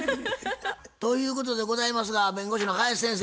ということでございますが弁護士の林先生